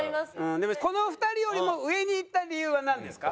でもこの２人よりも上にいった理由はなんですか？